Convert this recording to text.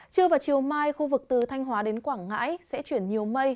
trưa và chiều mai khu vực từ thanh hóa đến quảng ngãi sẽ chuyển nhiều mây